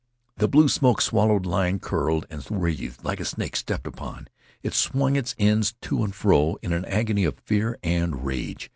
The blue smoke swallowed line curled and writhed like a snake stepped upon. It swung its ends to and fro in an agony of fear and rage.